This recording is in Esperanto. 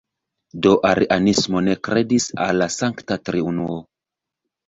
Do arianismo ne kredis al la Sankta Triunuo.